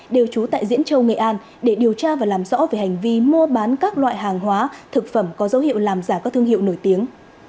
đều trú tại diễn châu nghệ an để điều tra và làm rõ về hành vi mua bán các loại hàng hóa thực phẩm có dấu hiệu làm giả các thương hiệu nổi tiếng